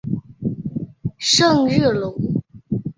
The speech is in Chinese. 圣热龙。